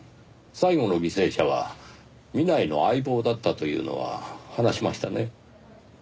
最後の犠牲者は南井の相棒だったというのは話しましたね？